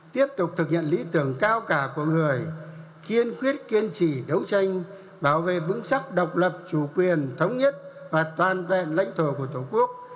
tiếp tục thực hiện lý tưởng cao cả của người kiên quyết kiên trì đấu tranh bảo vệ vững chắc độc lập chủ quyền thống nhất và toàn vẹn lãnh thổ của tổ quốc